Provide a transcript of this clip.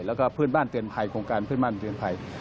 แล้วก็โครงการเพื่อนบ้านเตือนภัย